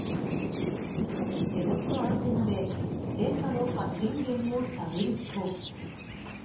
手持ちのアンテナで電波の発信源を探ると。